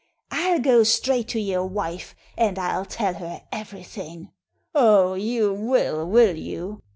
"I'll go straight to your wife, and I'll tell her everything." "Oh, you will, will you?"